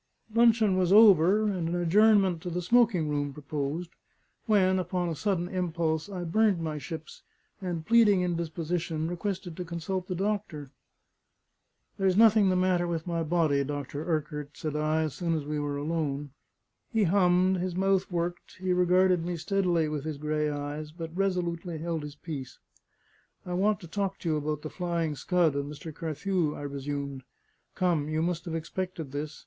Luncheon was over, and an adjournment to the smoking room proposed, when (upon a sudden impulse) I burned my ships, and pleading indisposition, requested to consult the doctor. "There is nothing the matter with my body, Dr. Urquart," said I, as soon as we were alone. He hummed, his mouth worked, he regarded me steadily with his gray eyes, but resolutely held his peace. "I want to talk to you about the Flying Scud and Mr. Carthew," I resumed. "Come: you must have expected this.